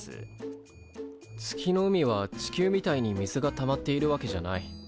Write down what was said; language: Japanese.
月の海は地球みたいに水がたまっているわけじゃない。